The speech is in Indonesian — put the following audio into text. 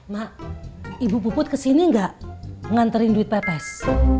mak ibu puput kesini gak nganterin duit pepes